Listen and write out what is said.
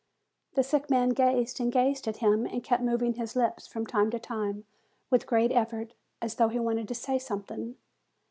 The sick man gazed and gazed at him, and kept moving his lips from time to time, with great effort, as though he wanted to say something.